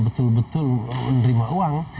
betul betul menerima uang